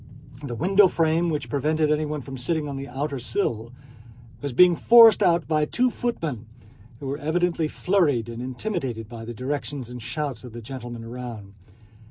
The window frame which prevented anyone from sitting on the outer sill was being forced out by two footmen, who were evidently flurried and intimidated by the directions and shouts of the gentlemen around.